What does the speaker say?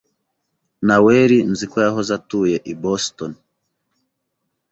Naweri nzi ko yahoze atuye i Boston.